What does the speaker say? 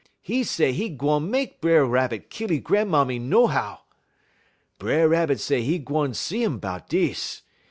'E say 'e gwan make B'er Rabbit kill 'e gran'mammy nohow. "B'er Rabbit say 'e gwan see 'im 'bout dis.